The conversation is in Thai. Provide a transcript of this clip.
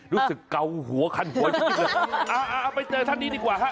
รู้สึกเกาหัวคันโกยไปเจอท่านนี้ดีกว่าค่ะ